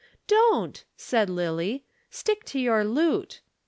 "Don't!" said Lillie. "Stick to your lute."